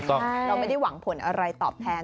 เราไม่ได้หวังผลอะไรตอบแทน